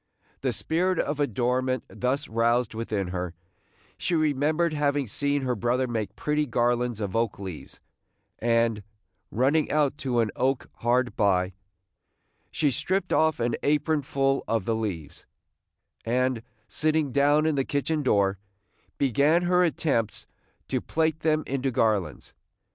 The spirit of adornment thus roused within her, she remembered having seen her brother make pretty garlands of oak leaves; and, running out to an oak hard by, she stripped off an apronful of the leaves, and, sitting down in the kitchen door, began her attempts to plait them into garlands.